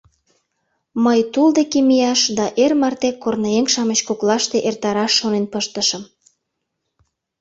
Мый тул деке мияш да эр марте корныеҥ-шамыч коклаште эртараш шонен пыштышым.